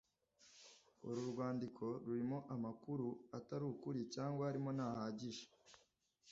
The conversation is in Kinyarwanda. Uru rwandiko rurimo amakuru atari ukuri cyangwa arimo ntahagije